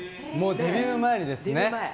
デビュー前ですね。